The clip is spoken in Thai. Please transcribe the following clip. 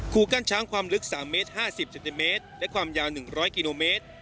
กั้นช้างความลึก๓เมตร๕๐เซนติเมตรและความยาว๑๐๐กิโลเมตร